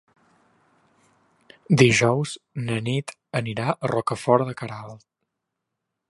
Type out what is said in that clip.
Dijous na Nit anirà a Rocafort de Queralt.